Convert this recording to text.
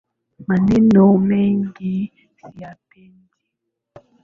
Maneno mengi siyapendi